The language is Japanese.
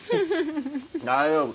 大丈夫。